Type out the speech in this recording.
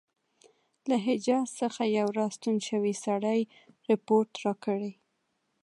له حجاز څخه یو را ستون شوي سړي رپوټ راکړی.